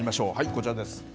こちらです。